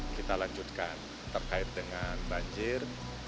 kita lanjutkan terkait dengan banjir